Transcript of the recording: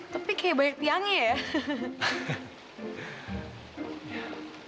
tapi kayak banyak tiangnya ya